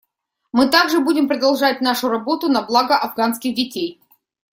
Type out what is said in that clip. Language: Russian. Мы также будем продолжать нашу работу на благо афганских детей.